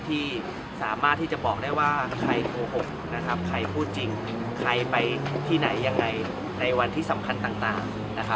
ที่สามารถที่จะบอกได้ว่าใครโกหกใครพูดจริงใครไปที่ไหนยังไงในวันที่สำคัญต่าง